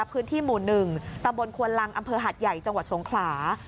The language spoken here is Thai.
พื้นที่หมู่๑ตำบลควนลังอำเภอหาดใหญ่จังหวัดสงขลา